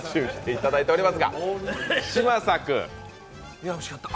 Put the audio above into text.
いや、おいしかった。